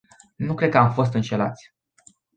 Nu cred că am fost înșelați.